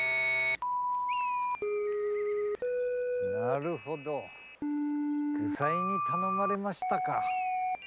なるほど愚妻に頼まれましたか。